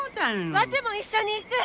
ワテも一緒に行く！